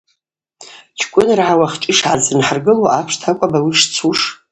Чкӏвынргӏа уахьчӏва йшгӏадзынхӏыргылуа апшта акӏвпӏ ауи шцуш.